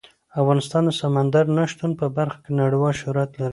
افغانستان د سمندر نه شتون په برخه کې نړیوال شهرت لري.